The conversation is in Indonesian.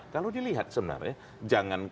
kalau dilihat sebenarnya